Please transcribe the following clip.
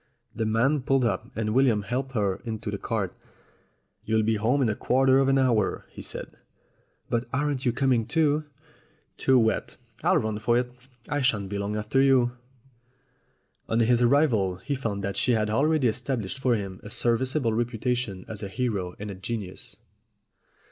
The man pulled up, and William helped her up into the cart. "You'll be home in a quarter of an hour," he said. "But aren't you coming too ?" "Too wet; I'll run for it I shan't be long after you." On his arrival he found that she had already estab lished for him a serviceable reputation as a hero and a genius.